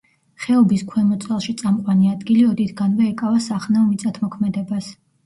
ხეობის ქვემოწელში წამყვანი ადგილი ოდითგანვე ეკავა სახნავ მიწათმოქმედებას.